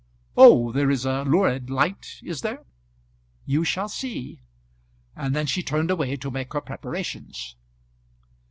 "Oh, there is a lurid light; is there?" "You shall see;" and then she turned away to make her preparations.